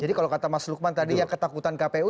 jadi kalau kata mas lukman tadi yang ketakutan kpu